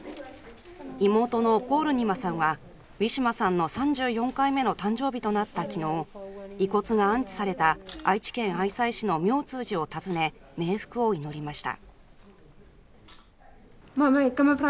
妹のポールニマさんは、ウィシュマさんの３４回目の誕生日となった昨日、遺骨が安置された愛知県愛西市の明通寺を訪ね、冥福を祈りました。